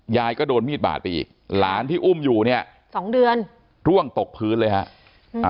ยายก็โดนมีดบาดไปอีกหลานที่อุ้มอยู่เนี่ยสองเดือนร่วงตกพื้นเลยฮะ